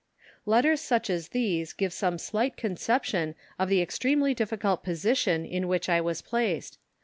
Letters such as these give some slight conception of the extremely difficult position in which I was placed.